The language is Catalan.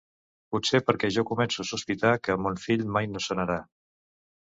Potser perquè ja començo a sospitar que mon fill mai no sanarà.